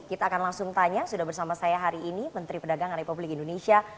kita akan langsung tanya sudah bersama saya hari ini menteri perdagangan republik indonesia